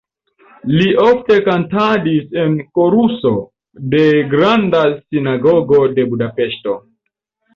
Li ofte kantadis en koruso de Granda Sinagogo de Budapeŝto.